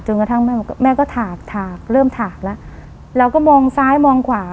กระทั่งแม่บอกแม่ก็ถากถากเริ่มถากแล้วเราก็มองซ้ายมองขวา